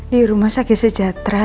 di rumah sakit sejahtera